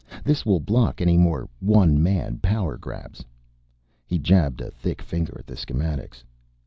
This will block any more one man power grabs." He jabbed a thick finger at the schematics.